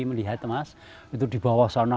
melihat mas itu di bawah sana